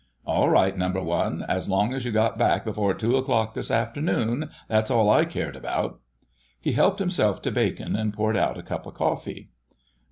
"All right, Number One! As long as you got back before two o'clock this afternoon, that's all I cared about." He helped himself to bacon and poured out a cup of coffee.